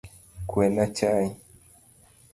Kwena chai